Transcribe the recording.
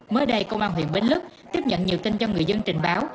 mới đây công an huyện bến lức tiếp nhận nhiều tin cho người dân trình báo